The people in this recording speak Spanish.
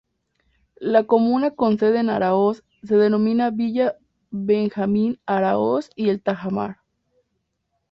La comuna con sede en Aráoz se denomina Villa Benjamín Aráoz y El Tajamar.